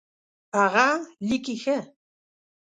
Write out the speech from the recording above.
هغه لیکي ښه